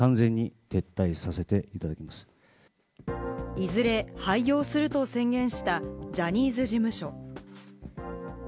いずれ廃業すると宣言したジャニーズ事務所。